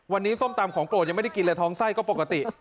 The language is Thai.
วันนี้ส้มตำของโปรดยังไม่ได้กินเลยท้องไส้ก็ปกติ